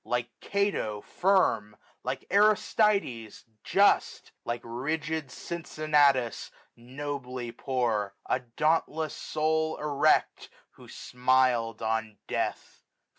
Like Cato firm, like Aristides just, 1490 Like rigid Cincinnatus nobly poor ; A dauntless soul erect, who smiPd on death.